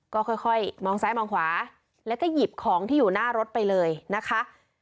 ก็ค่อยมองซ้ายมองขวาแล้วก็หยิบของที่อยู่หน้ารถไปเลยนะคะ